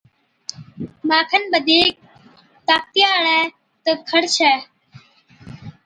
مان کن بڌِيڪ طاقتِي هاڙَي تہ کَڙ ڇَي،